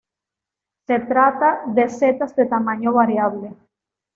Se trata de setas de tamaño variable.